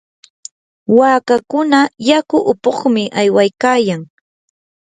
waakakuna yaku upuqmi aywaykayan.